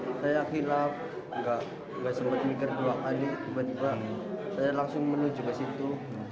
saya hilaf nggak sempat mikir dua kali tiba tiba saya langsung menuju ke situ